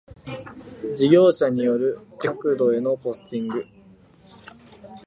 事業者による各戸へのポスティング